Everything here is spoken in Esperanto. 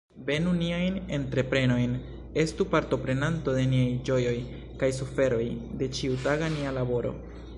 Benu niajn entreprenojn, estu partoprenanto de niaj ĝojoj kaj suferoj, de ĉiutaga nia laboro.